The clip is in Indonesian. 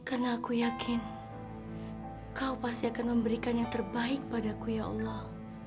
karena aku yakin kau pasti akan memberikan yang terbaik padaku ya allah